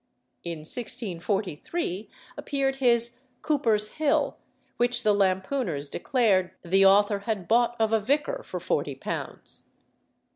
In 1643 appeared his "Cooper's Hill" which the lampooners declared the author had bought of a vicar for forty pounds.